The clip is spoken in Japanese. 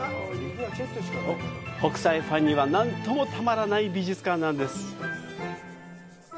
北斎ファンにはなんともたまらない美術館なんです。